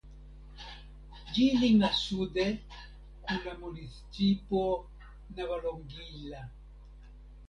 Ĝi limas sude kun la municipo Navalonguilla.